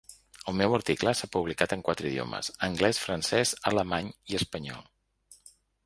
El meu article s’ha publicat en quatre idiomes: anglès, francès, alemany i espanyol.